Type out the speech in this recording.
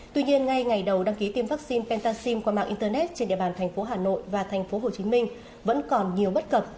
tuy nhiên ngay ngày đầu đăng ký tiêm vaccine pentaxim qua mạng internet trên địa bàn thành phố hà nội và thành phố hồ chí minh vẫn còn nhiều bất cập